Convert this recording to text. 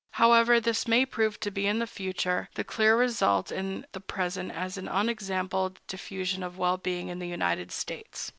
However this may prove to be in the future, the clear result in the present is an unexampled diffusion of well being in the United States.